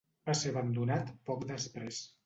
Va ser abandonat poc després.